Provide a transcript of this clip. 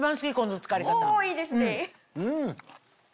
おいいですね。